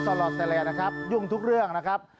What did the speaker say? เอาลุงสล็อตแต่ละแน่ครับยุ่งทุกเรื่องนะครับ